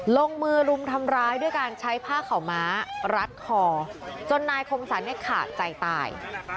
ลงมือรุมทำร้ายด้วยการใช้ผ้าข่าวม้ารัดคอจนนายคมสรรเนี่ยขาดใจตาย